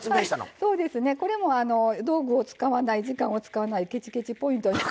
そうですねこれも道具を使わない時間を使わないケチケチ・ポイント。